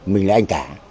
mình là anh cả